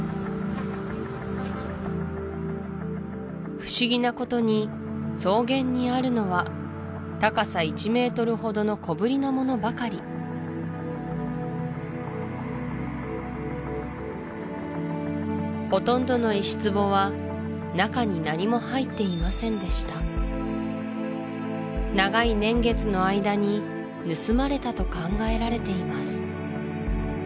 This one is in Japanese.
不思議なことに草原にあるのは高さ１ｍほどの小ぶりなものばかりほとんどの石壺は中に何も入っていませんでした長い年月の間に盗まれたと考えられています